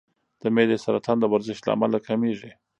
د معدې سرطان د ورزش له امله کمېږي.